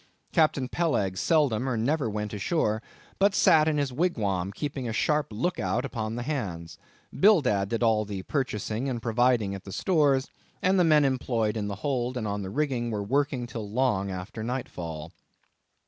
Captain Peleg seldom or never went ashore, but sat in his wigwam keeping a sharp look out upon the hands: Bildad did all the purchasing and providing at the stores; and the men employed in the hold and on the rigging were working till long after night fall.